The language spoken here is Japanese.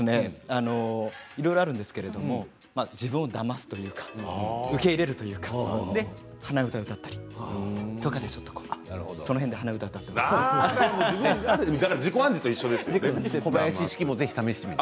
いろいろあるんですけど自分をだますというか受け入れるというか鼻歌を歌ったりとかでちょっとその辺で鼻歌を歌っていました。